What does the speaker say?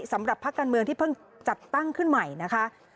พักการเมืองที่เพิ่งจัดตั้งขึ้นใหม่นะคะ